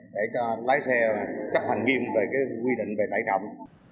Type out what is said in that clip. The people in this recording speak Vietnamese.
để cho lái xe chấp hành nghiêm về quy định về tải trọng